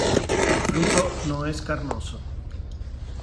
El fruto no es carnoso.